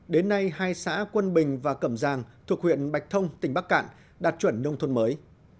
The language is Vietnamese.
đến nay hai xã quân bình và cẩm giang thuộc huyện bạch thông tỉnh bắc cạn đạt chuẩn nông thôn mới